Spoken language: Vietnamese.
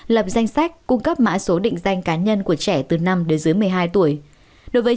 lập danh sách cung cấp mã số định danh cá nhân của trẻ từ năm đến dưới một mươi hai tuổi